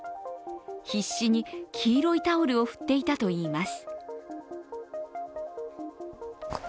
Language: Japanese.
必死に黄色いタオルを振っていたといいます。